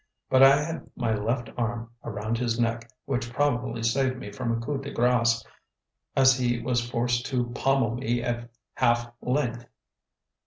But I had my left arm around his neck, which probably saved me from a coup de grace, as he was forced to pommel me at half length.